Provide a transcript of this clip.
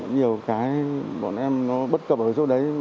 nhiều cái bọn em nó bất cập ở chỗ đấy